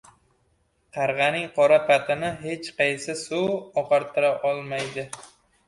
• Qarg‘aning qora patini hech qaysi suv oqartirolmaydi.